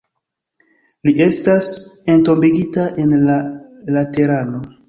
Li estas entombigita en la Laterano.